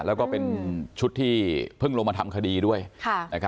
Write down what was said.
แล้วก็เป็นชุดที่เพิ่งลงมาทำคดีด้วยค่ะนะครับ